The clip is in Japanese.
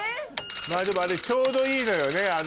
まぁでもあれちょうどいいのよね。